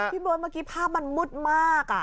พี่โบรทเมื่อกี้ภาพมันมุดมาก